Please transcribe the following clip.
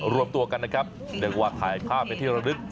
รวมตัวกันนะครับเรียกว่าถ่ายภาพเป็นที่ระลึก